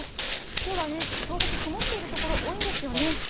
今日は東北、曇っているところが多いんですよね。